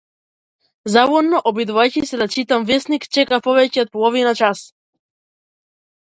Залудно обидувајќи се да читам весник, чекав повеќе од половина час.